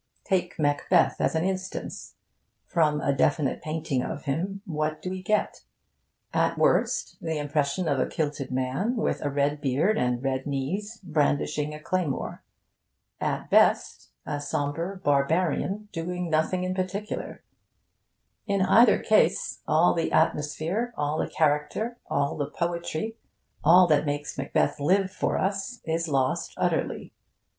Take Macbeth as an instance. From a definite painting of him what do we get? At worst, the impression of a kilted man with a red beard and red knees, brandishing a claymore. At best, a sombre barbarian doing nothing in particular. In either case, all the atmosphere, all the character, all the poetry, all that makes Macbeth live for us, is lost utterly.